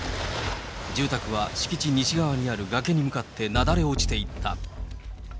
住宅は敷地西側にある崖に向かってなだれ落ちていった。